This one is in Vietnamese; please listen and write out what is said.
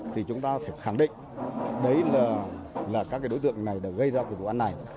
thì chúng ta có thể khẳng định đấy là các đối tượng này đã gây ra cuộc vụ ăn này